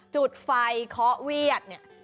จุดไฟเค้าเวียดเนี่ยโอ้โฮ